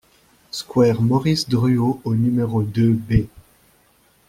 Square Maurice Dureau au numéro deux B